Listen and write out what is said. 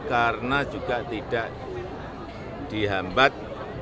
karena juga tidak dihambat